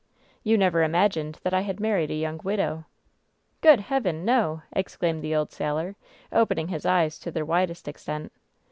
"You never imagined that I had married a yoimg widow." "Good Heaven ! No !" exclaimed the old sailor, open ing his eyes to their widest extent.